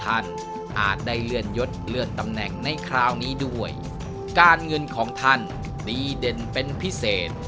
อาจได้เลื่อนยศเลื่อนตำแหน่งในคราวนี้ด้วยการเงินของท่านดีเด่นเป็นพิเศษ